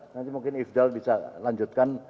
nanti mungkin ifdal bisa lanjutkan